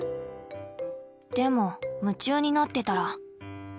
でも夢中になってたら。